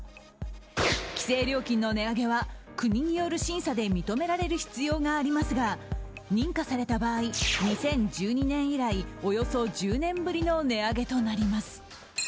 規制料金の値上げは国による審査で認められる必要がありますが認可された場合、２０１２年以来およそ１０年ぶりの値上げとなります。